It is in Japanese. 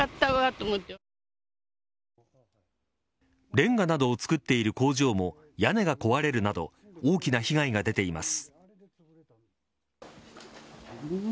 れんがなどを作っている工場も屋根が壊れるなど大きな被害が出ています。